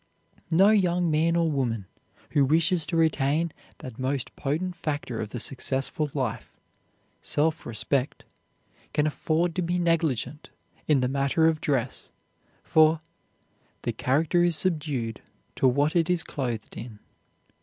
No young man or woman who wishes to retain that most potent factor of the successful life, self respect, can afford to be negligent in the matter of dress, for "the character is subdued to what it is clothed in."